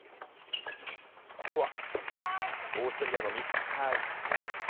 ここはオーストリアのミス。